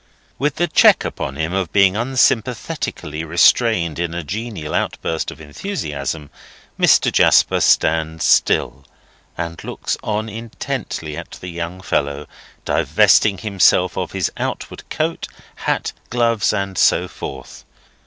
With the check upon him of being unsympathetically restrained in a genial outburst of enthusiasm, Mr. Jasper stands still, and looks on intently at the young fellow, divesting himself of his outward coat, hat, gloves, and so forth.